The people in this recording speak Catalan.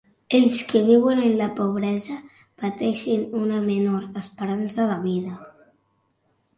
Els que viuen en la pobresa pateixen una menor esperança de vida.